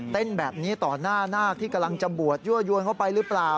เต้นแบบนี้ต่อหน้านาคที่กำลังจะบวชยั่วยวนเข้าไปหรือเปล่า